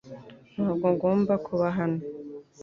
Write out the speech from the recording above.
Ntabwo ngomba kuba hano .